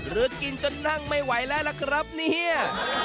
หรือกินจนนั่งไม่ไหวแล้วล่ะครับเนี่ย